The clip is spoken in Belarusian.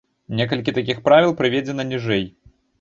Некалькі такіх правіл прыведзена ніжэй.